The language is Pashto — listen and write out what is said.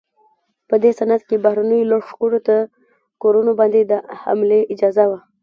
په دې سند کې بهرنیو لښکرو ته کورونو باندې د حملې اجازه وه.